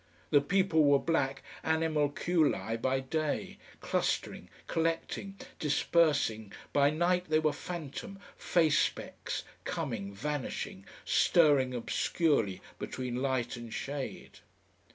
The people were black animalculae by day, clustering, collecting, dispersing, by night, they were phantom face specks coming, vanishing, stirring obscurely between light and shade.